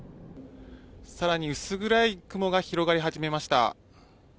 空に薄暗い雲が広がり始めま